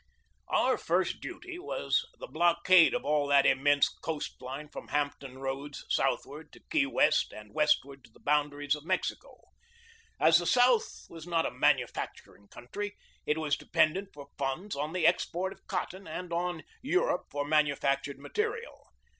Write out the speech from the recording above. Our first duty was the blockade of all that im mense coast line from Hampton Roads southward to Key West and westward to the boundaries of Mexico. As the South was not a manufacturing country, it was dependent for funds on the export of cotton and on Europe for manufactured material.